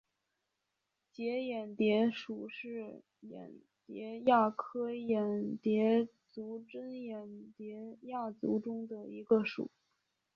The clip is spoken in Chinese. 结眼蝶属是眼蝶亚科眼蝶族珍眼蝶亚族中的一个属。